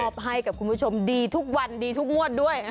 ให้กับคุณผู้ชมดีทุกวันดีทุกงวดด้วย